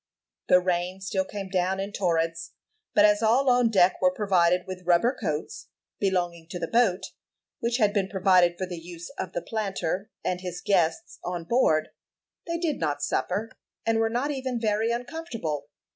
The rain still came down in torrents; but as all on deck were provided with rubber coats, belonging to the boat, which had been provided for the use of the planter and his guests on board, they did not suffer, and were not even very uncomfortable.